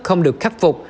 không được khắc phục